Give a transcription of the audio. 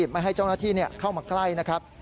ไม่ให้จ้านาธิเข้ามาใกล้นะครับ